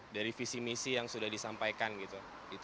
dari visi misi yang sudah disampaikan gitu